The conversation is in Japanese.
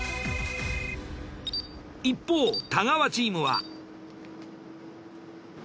一方太川チームは。